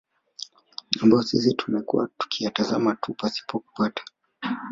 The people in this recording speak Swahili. ambayo sisi tumekuwa tukiyatazama tu pasipo kupata